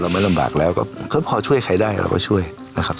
ไม่ลำบากแล้วก็พอช่วยใครได้เราก็ช่วยนะครับ